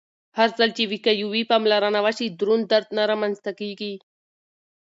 هرځل چې وقایوي پاملرنه وشي، دروند درد نه رامنځته کېږي.